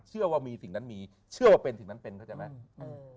เชื่อว่ามีสิ่งนั้นมีเชื่อว่าเป็นสิ่งนั้นเป็นเข้าใจไหม